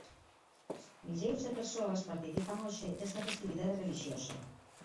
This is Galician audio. Milleiros de persoas participan hoxe desta festividade relixiosa.